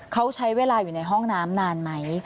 เขาใช้เวลาอยู่ในห้องน้ำนานไหม